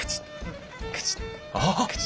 あっ！